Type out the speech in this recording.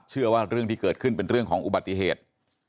เรื่องที่เกิดขึ้นเป็นเรื่องของอุบัติเหตุ